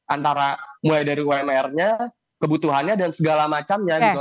antara mulai dari umr nya kebutuhannya dan segala macamnya gitu